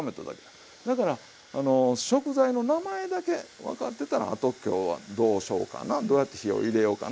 だから食材の名前だけ分かってたらあと今日はどうしようかなどうやって火を入れようかな